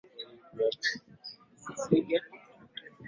Jirani tu na Nyumba ya Maajabu kuna Makumbusho ya Nyumba ya Sultani